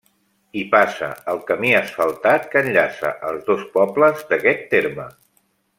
Hi passa el camí asfaltat que enllaça els dos pobles d'aquest terme.